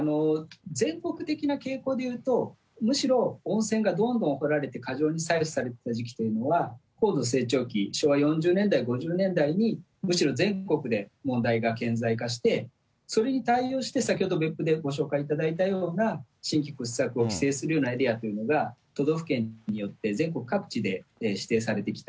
全国的な傾向でいうと、むしろ温泉がどんどん掘られて過剰に採取されていた時期というのは、高度成長期、昭和４０年代、５０年代に、むしろ全国で問題が顕在化して、それに対応して先ほど、別府でご紹介いただいたような、新規掘削を規制するようなエリアというのが、都道府県によって全国各地で指定されてきた。